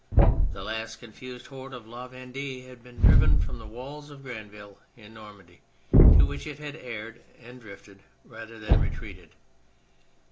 Tlie last confused horde of La Vendee had been driven from the walls of Granville in Normandy, to which it had erred and drifted rather than retreated.